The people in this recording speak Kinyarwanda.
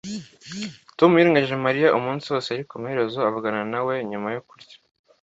Tom yirengagije Mariya umunsi wose ariko amaherezo avugana na we nyuma yo kurya